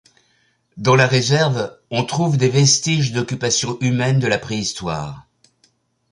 Dans la réserve, on trouve des vestiges d'occupation humaine de la préhistoire.